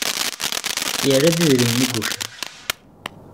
Yerra-d idrimen i yuker.